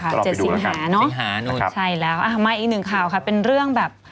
เจ็ดสิงหาเนอะสิงหานู่นใช่แล้วอ่ะมาอีกหนึ่งข่าวค่ะเป็นเรื่องแบบ